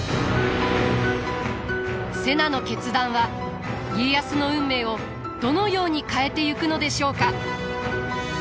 瀬名の決断は家康の運命をどのように変えてゆくのでしょうか？